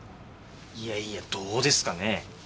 いやいやどうですかね？